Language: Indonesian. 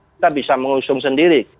kita bisa mengusung sendiri